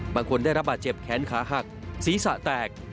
บางคนได้รับบาดเจ็บแขนขาหักศีรษะแตก